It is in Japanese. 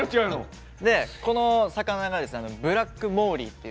この魚がブラックモーリーっていう。